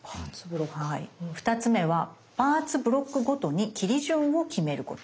２つ目はパーツ・ブロックごとに切り順を決めること。